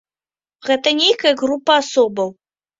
Гэта нейкая група асобаў.